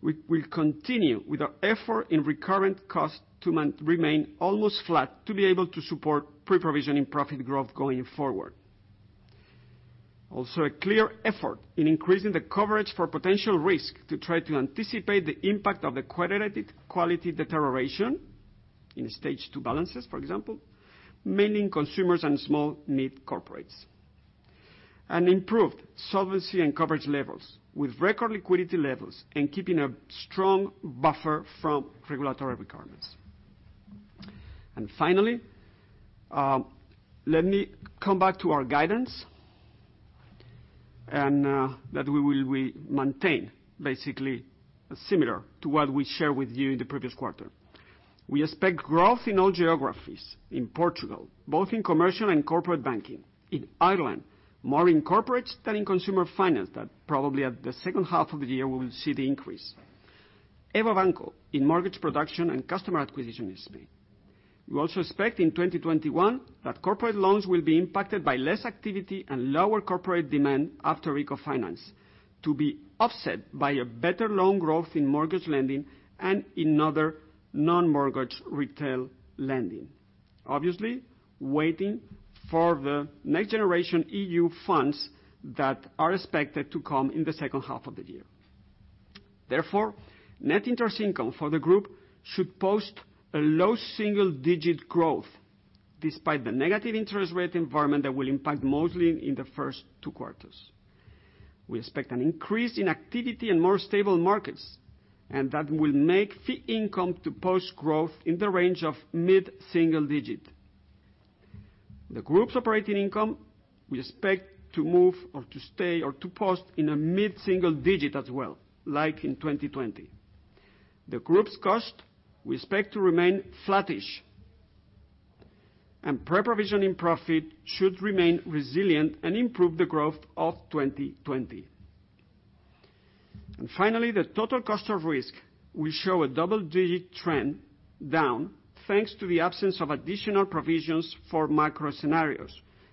We will continue with our effort in recurrent costs to remain almost flat to be able to support pre-provisioning profit growth going forward. A clear effort in increasing the coverage for potential risk to try to anticipate the impact of the credit quality deterioration in stage 2 balances, for example, mainly in consumers and small mid corporates. Improved solvency and coverage levels with record liquidity levels and keeping a strong buffer from regulatory requirements. Finally, let me come back to our guidance, that we will maintain basically similar to what we shared with you in the previous quarter. We expect growth in all geographies. In Portugal, both in commercial and corporate banking. In Ireland, more in corporate than in consumer finance. Probably at the second half of the year, we will see the increase. EVO Banco in mortgage production and customer acquisition is big. We also expect in 2021 that corporate loans will be impacted by less activity and lower corporate demand after refinance to be offset by a better loan growth in mortgage lending and in other non-mortgage retail lending. Obviously, waiting for the Next Generation EU funds that are expected to come in the second half of the year. Therefore, net interest income for the group should post a low single-digit growth despite the negative interest rate environment that will impact mostly in the first two quarters. We expect an increase in activity and more stable markets. That will make fee income to post growth in the range of mid-single digit. The group's operating income, we expect to move or to stay or to post in a mid-single digit as well, like in 2020. The group's cost, we expect to remain flattish. Pre-provision profit should remain resilient and improve the growth of 2020. Finally, the total cost of risk will show a double-digit trend down, thanks to the absence of additional provisions for macro scenarios.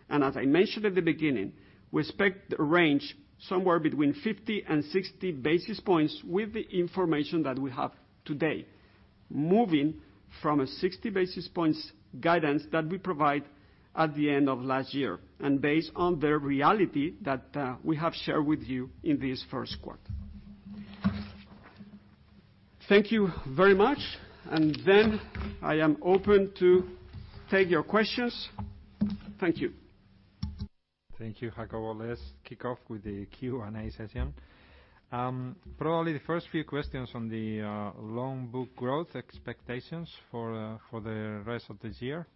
As I mentioned at the beginning, we expect a range somewhere between 50 and 60 basis points with the information that we have today, moving from a 60 basis points guidance that we provide at the end of last year, and based on the reality that we have shared with you in this first quarter. Thank you very much. I am open to take your questions. Thank you. Thank you, Jacobo. Well, let's kick off with the Q&A session. Probably the first few questions on the loan book growth expectations for the rest of this year.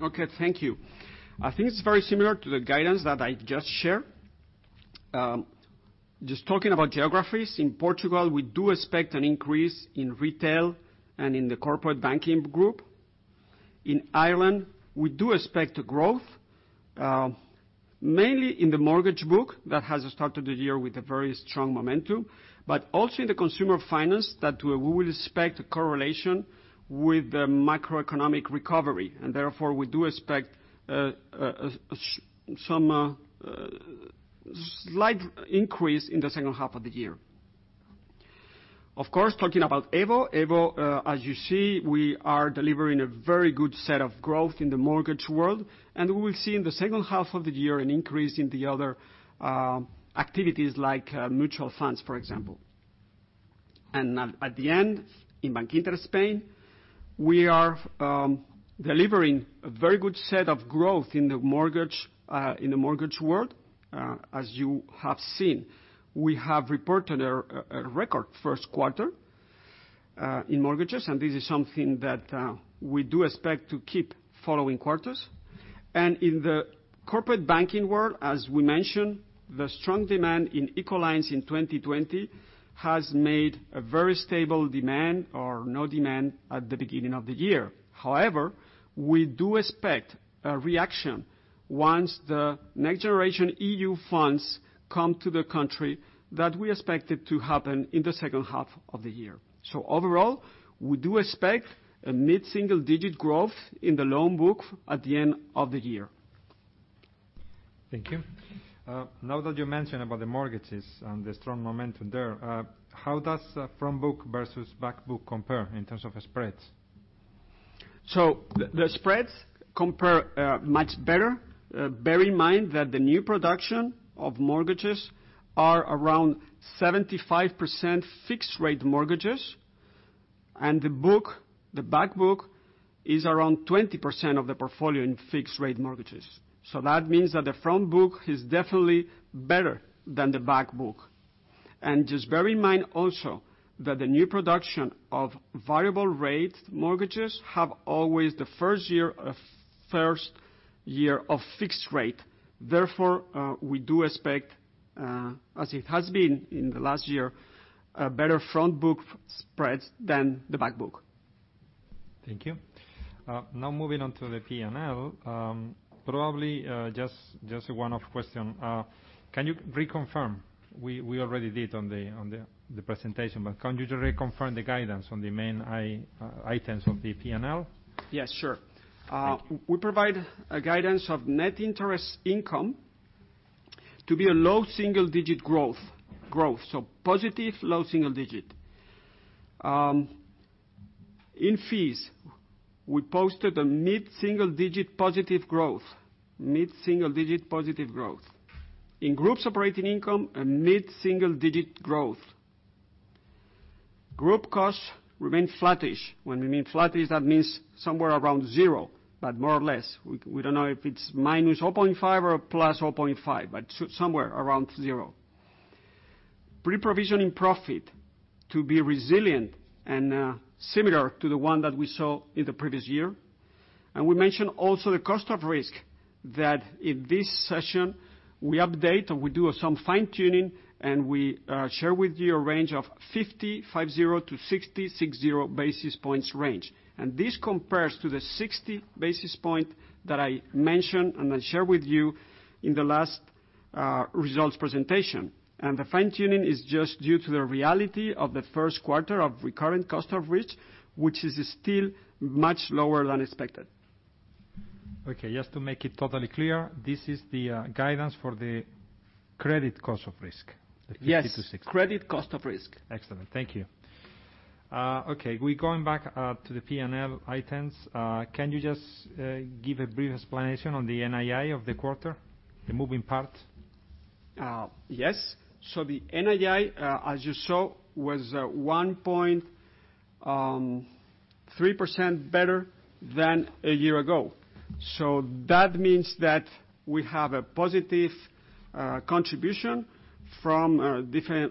Okay, thank you. I think it's very similar to the guidance that I just shared. Just talking about geographies, in Portugal, we do expect an increase in retail and in the corporate banking group. In Ireland, we do expect a growth, mainly in the mortgage book that has started the year with a very strong momentum, but also in the consumer finance that we would expect a correlation with the macroeconomic recovery, and therefore, we do expect some slight increase in the second half of the year. Of course, talking about EVO. EVO, as you see, we are delivering a very good set of growth in the mortgage world, and we will see in the second half of the year an increase in the other activities like mutual funds, for example. At the end, in Bankinter Spain, we are delivering a very good set of growth in the mortgage world. As you have seen, we have reported a record first quarter in mortgages, this is something that we do expect to keep following quarters. In the corporate banking world, as we mentioned, the strong demand in ICO lines in 2020 has made a very stable demand or no demand at the beginning of the year. However, we do expect a reaction once the Next Generation EU funds come to the country, that we expect it to happen in the second half of the year. Overall, we do expect a mid-single digit growth in the loan book at the end of the year. Thank you. Now that you mentioned about the mortgages and the strong momentum there, how does front book versus back book compare in terms of spreads? The spreads compare much better. Bear in mind that the new production of mortgages are around 75% fixed rate mortgages, and the book, the back book, is around 20% of the portfolio in fixed rate mortgages. That means that the front book is definitely better than the back book. Just bear in mind also that the new production of variable rate mortgages have always the first year of fixed rate. Therefore, we do expect, as it has been in the last year, a better front book spreads than the back book. Thank you. Moving on to the P&L, probably, just a one-off question. Can you reconfirm, we already did on the presentation, but can you just reconfirm the guidance on the main items of the P&L? Yeah, sure. We provide a guidance of net interest income to be a low single-digit growth. Positive low single digit. In fees, we posted a mid-single digit positive growth. In group's operating income, a mid-single digit growth. Group costs remain flattish. When we mean flattish, that means somewhere around zero, but more or less. We don't know if it's -0.5 or +0.5, but somewhere around zero. Pre-provision profit to be resilient and similar to the one that we saw in the previous year. We mentioned also the cost of risk that in this session we update and we do some fine-tuning, we share with you a range of 50-60 basis points. This compares to the 60 basis points that I mentioned and I shared with you in the last results presentation. The fine-tuning is just due to the reality of the first quarter of recurrent cost of risk, which is still much lower than expected. Okay. Just to make it totally clear, this is the guidance for the credit cost of risk? Yes. 50-60 basis points. Credit cost of risk. Excellent. Thank you. Okay. We're going back to the P&L items. Can you just give a brief explanation on the NII of the quarter, the moving parts? Yes. The NII, as you saw, was 1.3% better than a year ago. That means that we have a positive contribution from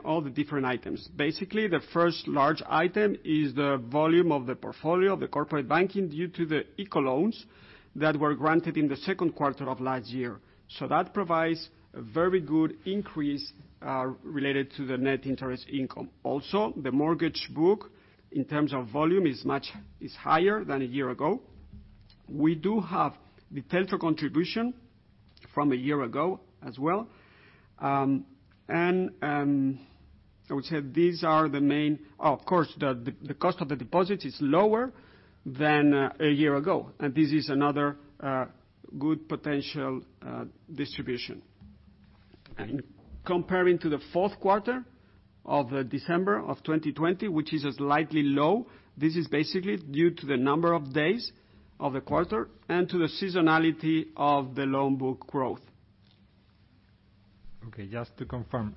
all the different items. Basically, the first large item is the volume of the portfolio of the corporate banking due to the ICO loans that were granted in the second quarter of last year. That provides a very good increase, related to the net interest income. Also, the mortgage book, in terms of volume, is higher than a year ago. We do have the TLTRO contribution from a year ago as well. I would say these are the main. Of course, the cost of the deposit is lower than a year ago, and this is another good potential distribution. Comparing to the fourth quarter of December of 2020, which is slightly low, this is basically due to the number of days of the quarter, and to the seasonality of the loan book growth. Okay. Just to confirm,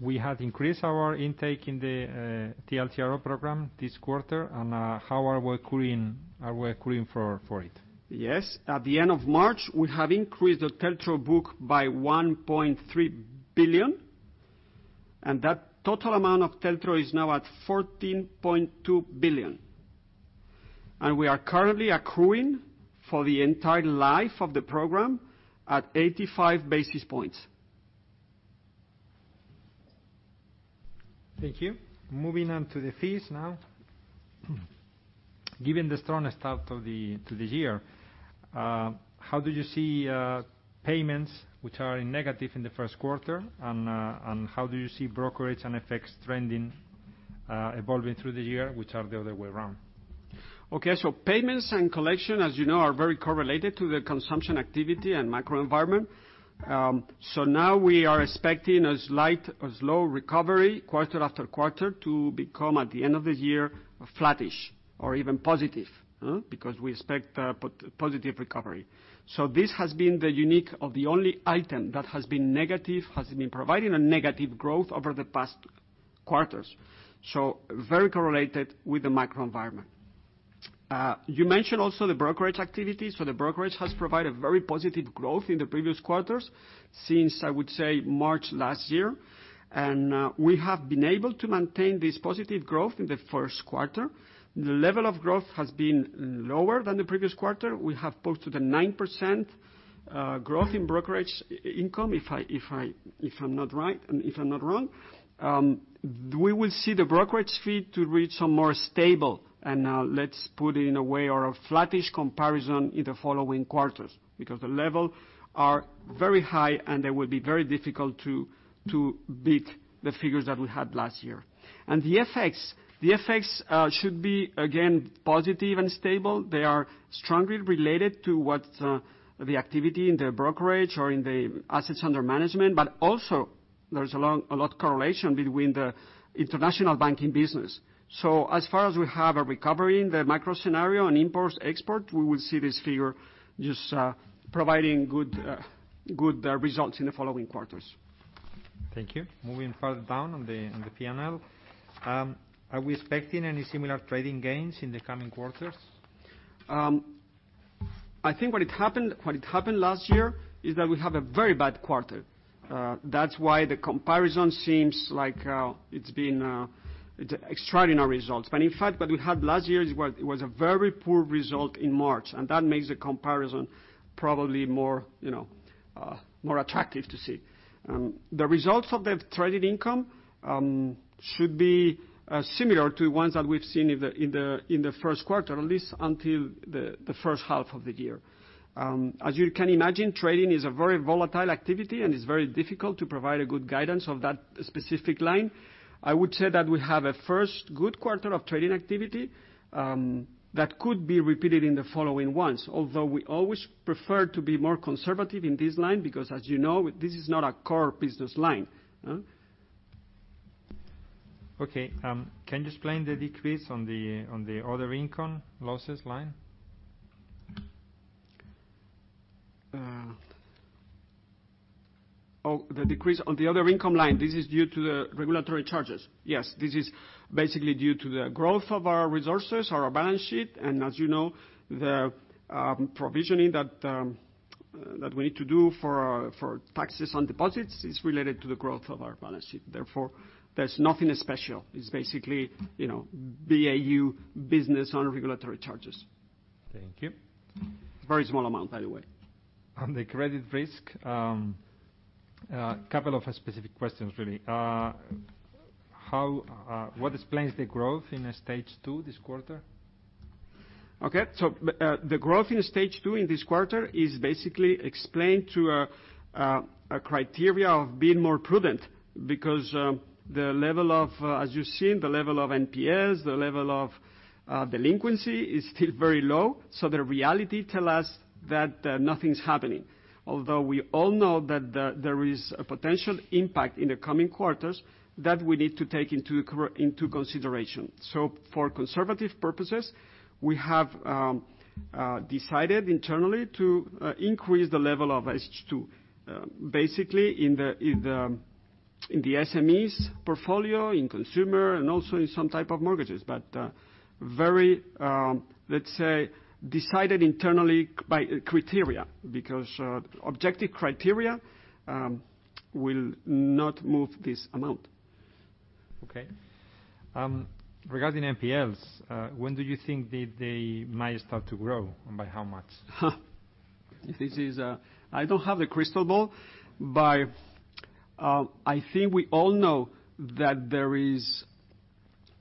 we have increased our intake in the TLTRO program this quarter, and how are we accruing for it? Yes. At the end of March, we have increased the TLTRO book by 1.3 billion. That total amount of TLTRO is now at 14.2 billion. We are currently accruing for the entire life of the program at 85 basis points. Thank you. Moving on to the fees now. Given the strong start to the year, how do you see payments, which are negative in the first quarter, and how do you see brokerage and FX trending, evolving through the year, which are the other way around? Payments and collection, as you know, are very correlated to the consumption activity and macroenvironment. Now we are expecting a slow recovery quarter after quarter to become, at the end of the year, flattish or even positive. Because we expect a positive recovery. This has been the unique, or the only item that has been negative, has been providing a negative growth over the past quarters, very correlated with the macroenvironment. You mentioned also the brokerage activities. The brokerage has provided very positive growth in the previous quarters since, I would say, March last year. We have been able to maintain this positive growth in the first quarter. The level of growth has been lower than the previous quarter. We have close to the 9% growth in brokerage income, if I'm not wrong. We will see the brokerage fee to reach a more stable, and let's put it in a way, or a flattish comparison in the following quarters, because the level are very high, and they will be very difficult to beat the figures that we had last year. The FX should be, again, positive and stable. They are strongly related to what the activity in the brokerage or in the assets under management, but also there's a lot correlation between the international banking business. As far as we have a recovery in the macro scenario on imports, export, we will see this figure just providing good results in the following quarters. Thank you. Moving further down on the P&L. Are we expecting any similar trading gains in the coming quarters? I think what happened last year is that we have a very bad quarter. That's why the comparison seems like it's extraordinary results. In fact, what we had last year, it was a very poor result in March, and that makes the comparison probably more attractive to see. The results of the traded income should be similar to ones that we've seen in the first quarter, at least until the first half of the year. As you can imagine, trading is a very volatile activity, and it's very difficult to provide a good guidance of that specific line. I would say that we have a first good quarter of trading activity, that could be repeated in the following ones. We always prefer to be more conservative in this line, because as you know, this is not our core business line. Okay. Can you explain the decrease on the other income losses line? The decrease on the other income line. This is due to the regulatory charges. Yes. This is basically due to the growth of our resources, our balance sheet, and as you know, the provisioning that we need to do for taxes on deposits is related to the growth of our balance sheet. Therefore, there's nothing special. It's basically BAU, business on regulatory charges. Thank you. Very small amount, by the way. On the credit risk, couple of specific questions, really. What explains the growth in stage 2 this quarter? Okay. The growth in stage 2 in this quarter is basically explained to a criteria of being more prudent because as you've seen, the level of NPLs, the level of delinquency is still very low. The reality tells us that nothing's happening. Although we all know that there is a potential impact in the coming quarters that we need to take into consideration. For conservative purposes, we have decided internally to increase the level of stage 2. Basically, in the SMEs portfolio, in consumer, and also in some type of mortgages. Very, let's say, decided internally by criteria, because objective criteria will not move this amount. Okay. Regarding NPLs, when do you think they might start to grow, and by how much? I don't have a crystal ball, but I think we all know that there is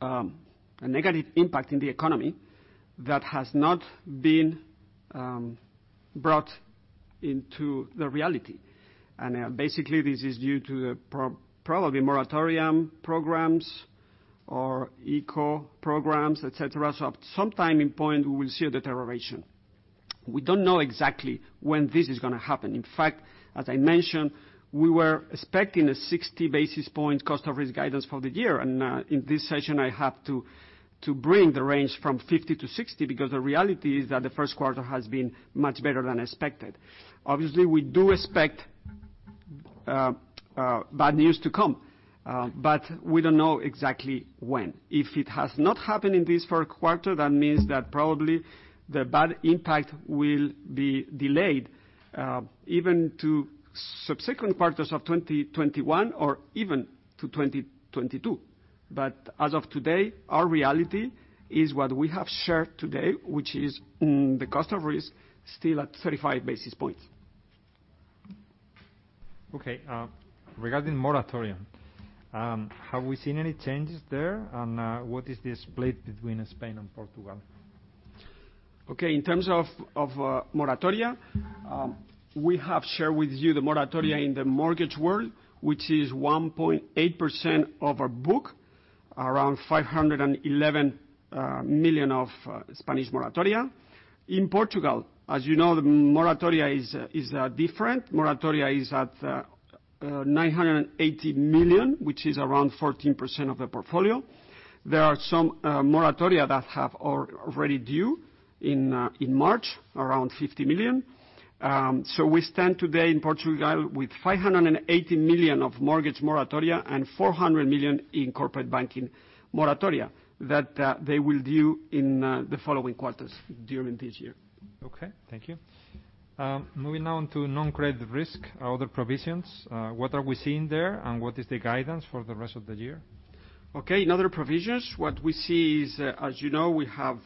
a negative impact in the economy that has not been brought into the reality. Basically, this is due to the probably moratorium programs or ICO programs, et cetera. At some timing point, we will see a deterioration. We don't know exactly when this is going to happen. In fact, as I mentioned, we were expecting a 60 basis point cost of risk guidance for the year. In this session, I have to bring the range from 50-60 basis points because the reality is that the first quarter has been much better than expected. Obviously, we do expect bad news to come, but we don't know exactly when. If it has not happened in this first quarter, that means that probably the bad impact will be delayed, even to subsequent quarters of 2021 or even to 2022. As of today, our reality is what we have shared today, which is the cost of risk still at 35 basis points. Okay. Regarding moratoria, have we seen any changes there? What is the split between Spain and Portugal? Okay, in terms of moratoria, we have shared with you the moratoria in the mortgage world, which is 1.8% of our book, around 511 million of Spanish moratoria. In Portugal, as you know, the moratoria is different. Moratoria is at 980 million, which is around 14% of the portfolio. There are some moratoria that have already due in March, around 50 million. We stand today in Portugal with 580 million of mortgage moratoria and 400 million in corporate banking moratoria that they will due in the following quarters during this year. Okay. Thank you. Moving on to non-credit risk. Other provisions, what are we seeing there and what is the guidance for the rest of the year? Okay. In other provisions, what we see is, as you know, we have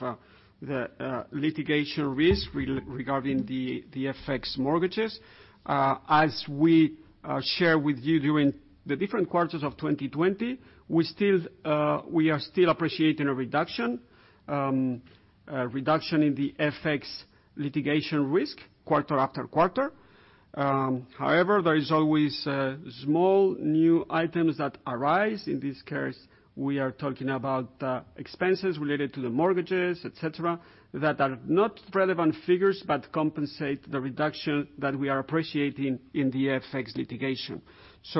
the litigation risk regarding the FX mortgages. As we share with you during the different quarters of 2020, we are still appreciating a reduction in the FX litigation risk quarter after quarter. There is always small new items that arise. In this case, we are talking about expenses related to the mortgages, et cetera, that are not relevant figures, but compensate the reduction that we are appreciating in the FX litigation.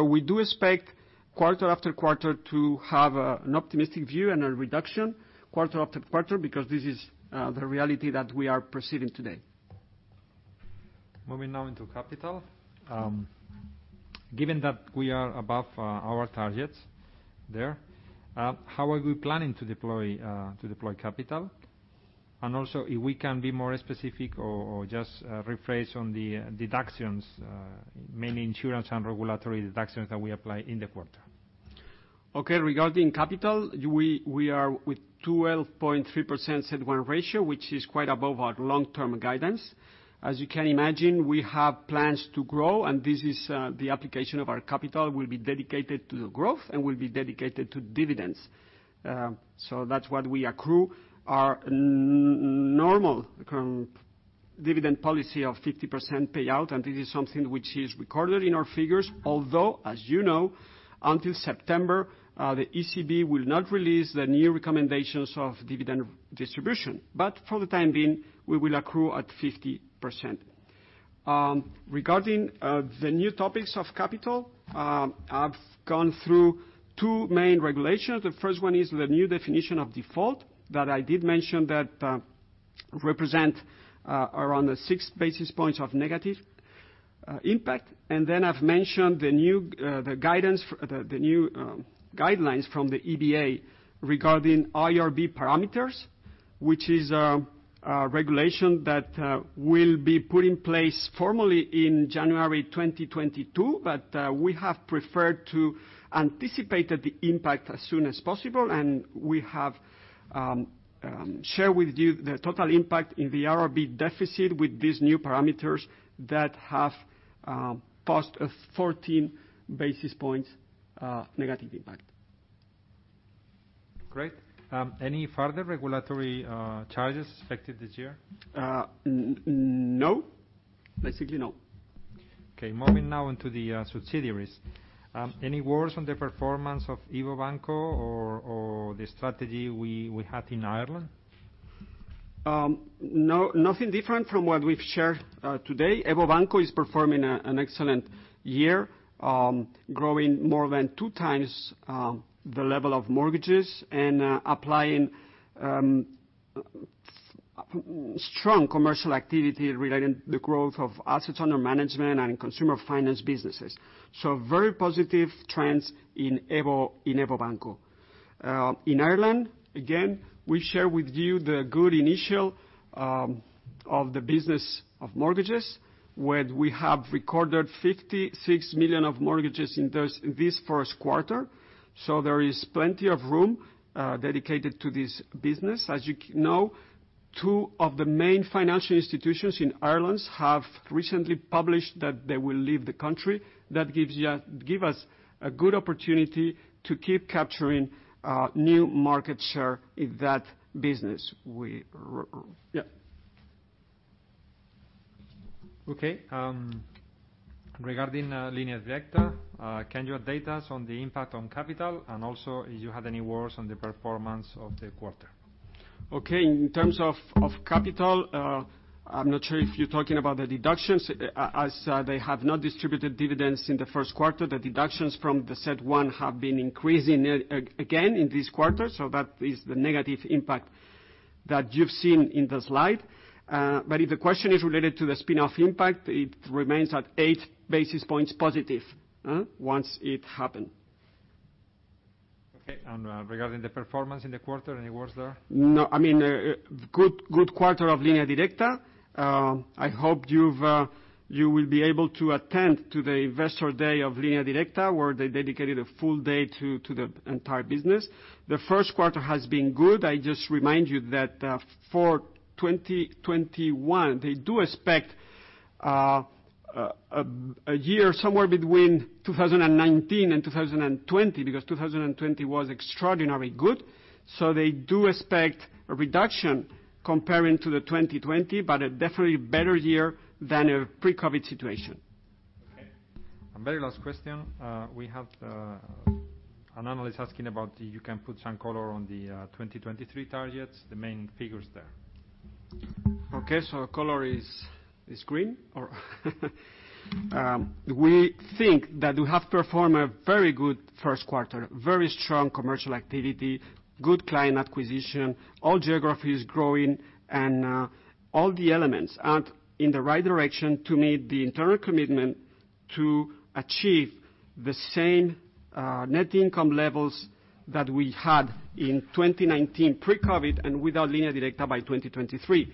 We do expect quarter after quarter to have an optimistic view and a reduction quarter after quarter because this is the reality that we are perceiving today. Moving now into capital. Given that we are above our targets there, how are we planning to deploy capital? Also, if we can be more specific or just rephrase on the deductions, mainly insurance and regulatory deductions that we apply in the quarter? Okay. Regarding capital, we are with 12.3% CET1 ratio, which is quite above our long-term guidance. As you can imagine, we have plans to grow, and this is the application of our capital will be dedicated to the growth and will be dedicated to dividends. That's what we accrue. Our normal dividend policy of 50% payout, this is something which is recorded in our figures. As you know, until September, the ECB will not release the new recommendations of dividend distribution. For the time being, we will accrue at 50%. Regarding the new topics of capital, I've gone through two main regulations. The first one is the new definition of default that I did mention that represent around the 6 basis points of negative impact. I've mentioned the new guidelines from the EBA regarding IRB parameters, which is a regulation that will be put in place formally in January 2022. We have preferred to anticipate the impact as soon as possible, and we have shared with you the total impact in the IRB deficit with these new parameters that have passed 14 basis points negative impact. Great. Any further regulatory charges expected this year? No. Basically, no. Okay. Moving now into the subsidiaries. Any words on the performance of EVO Banco or the strategy we had in Ireland? Nothing different from what we've shared today. EVO Banco is performing an excellent year, growing more than two times the level of mortgages and applying strong commercial activity relating the growth of assets under management and consumer finance businesses. Very positive trends in EVO Banco. In Ireland, again, we share with you the good initial of the business of mortgages, where we have recorded 56 million of mortgages in this first quarter. There is plenty of room dedicated to this business. As you know, two of the main financial institutions in Ireland have recently published that they will leave the country. That give us a good opportunity to keep capturing new market share in that business. Regarding Línea Directa, can you update us on the impact on capital, and also if you have any words on the performance of the quarter? Okay. In terms of capital, I'm not sure if you're talking about the deductions, as they have not distributed dividends in the first quarter. The deductions from the CET1 have been increasing again in this quarter, that is the negative impact that you've seen in the slide. If the question is related to the spin-off impact, it remains at +8 basis points once it happened. Okay, regarding the performance in the quarter, any words there? No. A good quarter of Línea Directa. I hope you will be able to attend to the investor day of Línea Directa, where they dedicated a full day to the entire business. The first quarter has been good. I just remind you that for 2021, they do expect a year somewhere between 2019 and 2020, because 2020 was extraordinarily good. They do expect a reduction comparing to the 2020, but a definitely better year than a pre-COVID situation. Okay. Very last question, we have an analyst asking about if you can put some color on the 2023 targets, the main figures there. Okay. Color is green, or We think that we have performed a very good first quarter, very strong commercial activity, good client acquisition, all geographies growing, and all the elements are in the right direction to meet the internal commitment to achieve the same net income levels that we had in 2019 pre-COVID and without Línea Directa by 2023.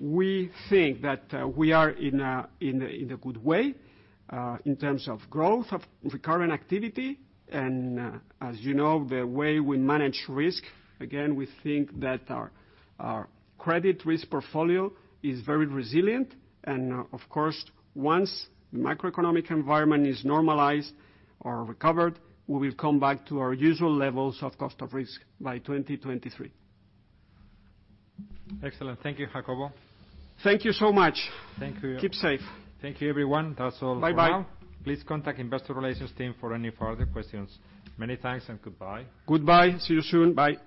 We think that we are in a good way in terms of growth, of recurrent activity. As you know, the way we manage risk, again, we think that our credit risk portfolio is very resilient. Of course, once the macroeconomic environment is normalized or recovered, we will come back to our usual levels of cost of risk by 2023. Excellent. Thank you, Jacobo. Thank you so much. Thank you. Keep safe. Thank you, everyone. That's all for now. Bye-bye. Please contact investor relations team for any further questions. Many thanks, goodbye. Goodbye. See you soon. Bye.